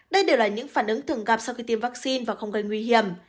đây đều là những phản ứng thường gặp sau khi tiêm vaccine và không gây nguy hiểm